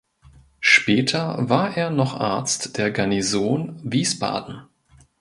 Später war er noch Arzt der Garnison Wiesbaden.